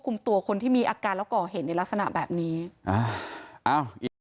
คราวนี้อาจจะอันตรายขึ้นกว่าเดิมก็ได้